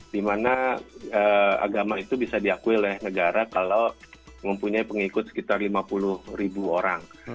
dimana agama itu bisa diakui oleh negara kalau mempunyai pengikut sekitar lima puluh ribu orang